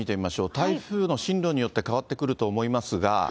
台風の進路によって変わってくると思いますが。